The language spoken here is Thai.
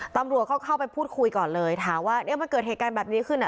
ตำรวจเขาเข้าไปพูดคุยก่อนเลยถามว่าเนี่ยมันเกิดเหตุการณ์แบบนี้ขึ้นอ่ะ